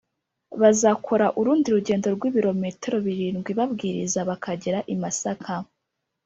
Bazakora urundi rugendo rw’ibirometero birindwi babwiriza bakagera i Masaka